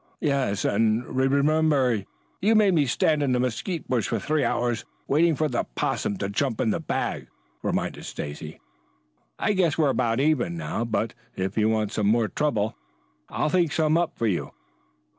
"Yes and re re remember you made me stand in the mesquite bush for three hours waiting for the 'possum to jump into the bag," reminded Stacy. "I guess we are about even now. But, if you want some more trouble, I'll think some up for you.